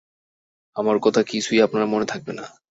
আমার কথা কিছুই আপনার মনে থাকবে না।